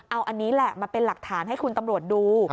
เอาอันนี้แหละมาเป็นหลักฐานให้คุณตำรวจดู